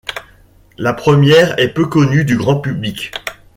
La première est peu connue du grand public.